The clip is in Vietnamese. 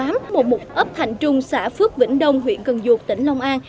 một mục ấp thành trung xã phước vĩnh đông huyện cần duột tỉnh long an